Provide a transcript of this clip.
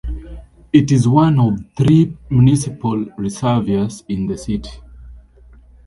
It is one of three municipal reservoirs in the city.